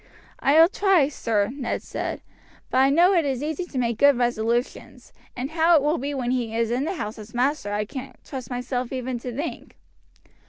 "I will try, sir," Ned said; "but I know it is easy to make good resolutions, and how it will be when he is in the house as master I can't trust myself even to think."